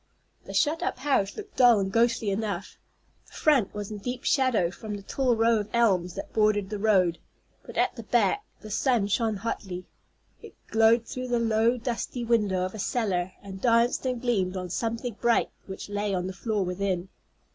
The shut up house looked dull and ghostly enough. The front was in deep shadow from the tall row of elms that bordered the road, but at the back the sun shone hotly. It glowed through the low, dusty window of a cellar, and danced and gleamed on something bright which lay on the floor within.